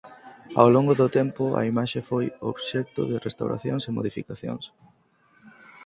Ao longo do tempo a imaxe foi obxecto de restauracións e modificacións.